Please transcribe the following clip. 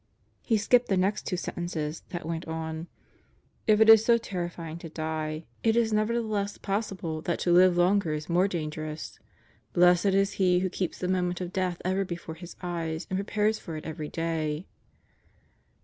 He skipped the next two sentences, then went on: "If it is so terrifying to die, it is nevertheless possible that to live longer is more dangerous. Blessed is he who keeps the moment of death ever before his eyes and prepares for it every day."